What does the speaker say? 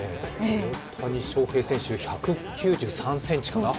大谷翔平選手、１９３ｃｍかな。